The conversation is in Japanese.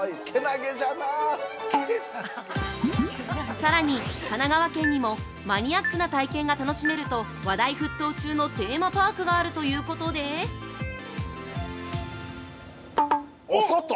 ◆さらに、神奈川県にもマニアックな体験が楽しめると話題沸騰中のテーマパークがあるということで◆お外。